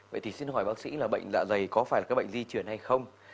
vậy thì xin hỏi bác sĩ là bệnh dạ dày có phải là các bệnh di chuyển hay không